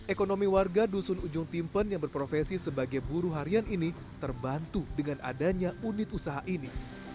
ekonomi warga dusun ujung timpen yang berprofesi sebagai buruh harian ini terbantu dengan adanya unit usaha ini